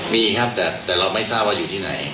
มีครับแต่เราไม่ทราบว่าอยู่ที่ไหน